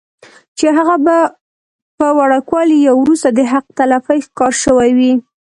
چې هغه پۀ وړوکوالي يا وروستو د حق تلفۍ ښکار شوي وي